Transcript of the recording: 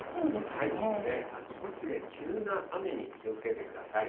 あちこちで急な雨に気をつけてください。